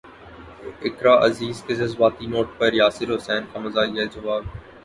اقرا عزیز کے جذباتی نوٹ پر یاسر حسین کا مزاحیہ جواب